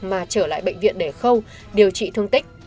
mà trở lại bệnh viện để khâu điều trị thương tích